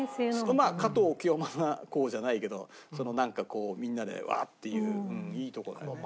まあ加藤清正公じゃないけどなんかこうみんなでワーッていういいとこだよね。